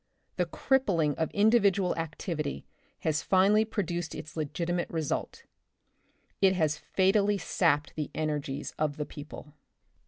The crippling of individual activity has finally produced its legitimate result — it has fatally sapped the energies of the people.